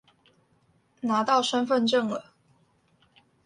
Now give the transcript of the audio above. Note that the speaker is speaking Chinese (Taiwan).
拿到身分證了